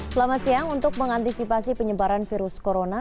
selamat siang untuk mengantisipasi penyebaran virus corona